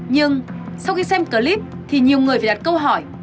nhưng sau khi xem clip thì nhiều người phải đặt câu hỏi